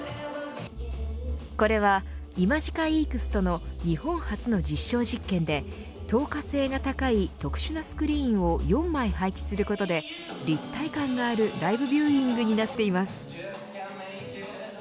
これはイマジカイークスとの日本初の実証実験で透過性が高い特殊なスクリーンを４枚配置することで立体感があるライブビューイングになっています。